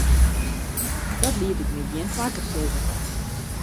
Dat liet ik my gjin twa kear sizze.